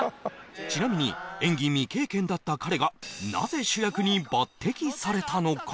ちなみに演技未経験だった彼がなぜ主役に抜擢されたのか？